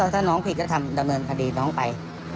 ถ้าน้องผิดก็ทำดำเนินคดีน้องไป